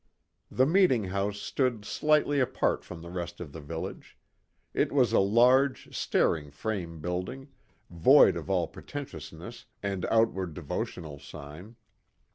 The Meeting House stood slightly apart from the rest of the village. It was a large, staring frame building, void of all pretentiousness and outward devotional sign.